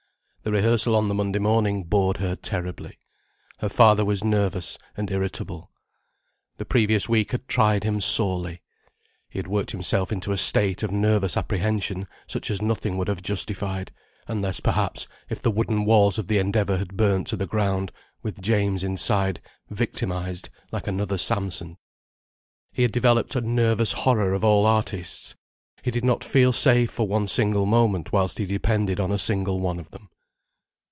The rehearsal on the Monday morning bored her terribly. Her father was nervous and irritable. The previous week had tried him sorely. He had worked himself into a state of nervous apprehension such as nothing would have justified, unless perhaps, if the wooden walls of the Endeavour had burnt to the ground, with James inside victimized like another Samson. He had developed a nervous horror of all artistes. He did not feel safe for one single moment whilst he depended on a single one of them.